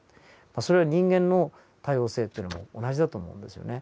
それは人間の多様性というのも同じだと思うんですよね。